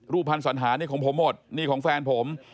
พันธ์สัญหานี่ของผมหมดนี่ของแฟนผม